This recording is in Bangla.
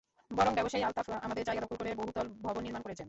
বরং ব্যবসায়ী আলতাফ আমাদের জায়গা দখল করে বহুতল ভবন নির্মাণ করেছেন।